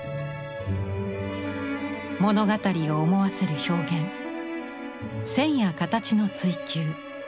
物語を思わせる表現線や形の追求。